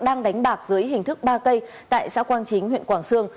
đang đánh bạc dưới hình thức ba cây tại xã quang chính huyện quảng sương